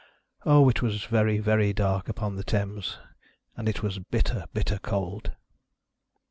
O ! It was very very dark upon the Thames, and it was bitter bitter cold.